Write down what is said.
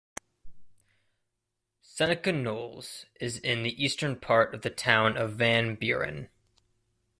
Seneca Knolls is in the eastern part of the town of Van Buren.